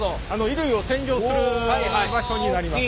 衣類を洗浄する場所になりますね。